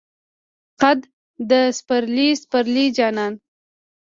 قد د سپرلی، سپرلی جانان